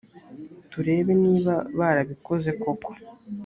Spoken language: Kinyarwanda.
turebe niba barabikoze koko